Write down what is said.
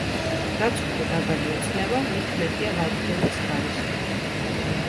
რაც უფრო დაბალია წნევა, მით მეტია ვაკუუმის ხარისხი.